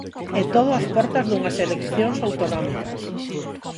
E todo ás portas dunhas eleccións autonómicas.